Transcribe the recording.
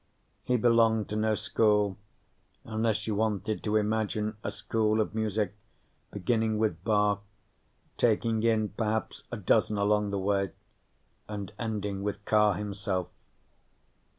He belonged to no school, unless you wanted to imagine a school of music beginning with Bach, taking in perhaps a dozen along the way, and ending with Carr himself.